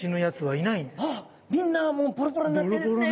あっみんなもうボロボロになってるんですね。